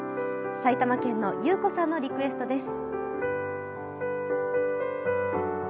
埼玉県のゆうこさんのリクエストです。